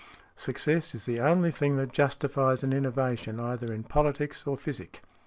Success is the only thing that justifies an innovation either in politics or physic.